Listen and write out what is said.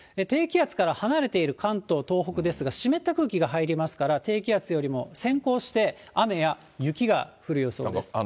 低気圧から離れている関東、東北ですが、湿った空気が入りますから、低気圧よりも先行して雨や雪が降る予想です。